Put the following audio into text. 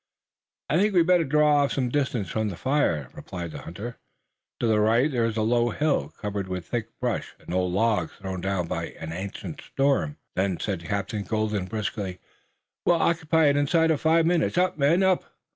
"I think we'd better draw off some distance from the fire," replied the hunter. "To the right there is a low hill, covered with thick brush, and old logs thrown down by an ancient storm. It's the very place." "Then," said Captain Colden briskly, "we'll occupy it inside of five minutes. Up, men, up!"